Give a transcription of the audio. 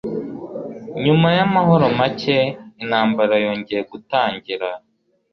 Nyuma y’amahoro make, intambara yongeye gutangira.